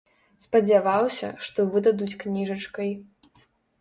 Спадзяваўся, што выдадуць кніжачкай.